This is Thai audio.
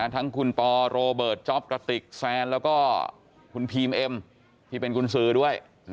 ทั้งคุณปอโรเบิร์ตจ๊อปกระติกแซนแล้วก็คุณพีมเอ็มที่เป็นกุญสือด้วย